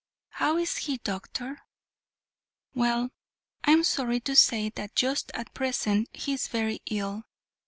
"How is he, doctor?" "Well, I am sorry to say that just at present he is very ill.